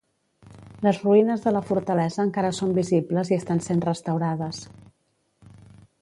Les ruïnes de la fortalesa encara són visibles i estan sent restaurades.